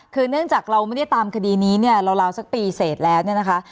คือเนื่องจากเราไม่ได้ตามคดีนี้เนี่ยราวสักปีเสร็จแล้วเนี่ยนะคะ